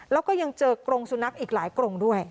แล้วก็ยังเจอกรงสุนัขอีกหลายกรงด้วย